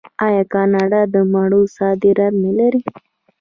آیا کاناډا د مڼو صادرات نلري؟